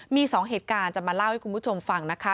มี๒เหตุการณ์จะมาเล่าให้คุณผู้ชมฟังนะคะ